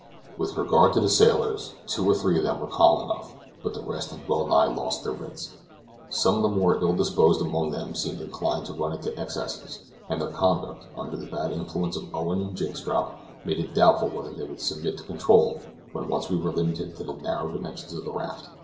With regard to the sailors, two or three of them were calm enough, but the rest had well nigh lost their wits. Some of the more ill disposed among them seemed inclined to run into excesses; and their conduct, under the bad influence of Owen and Jynxstrop, made it doubtful whether they would submit to control when once we were limited to the narrow dimensions of the raft.